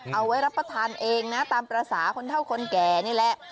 เอาไว้รับประทานเองนะตามภาษาคนเท่าคนแก่นี่แหละ